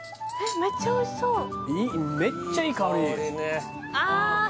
めっちゃおいしそうああ